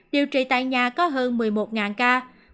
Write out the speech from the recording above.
điều trị tại nhà có hơn một mươi một ca